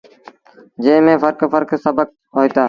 جݩهݩ ميݩ ڦرڪ ڦرڪ سبڪ هوئيٚتآ۔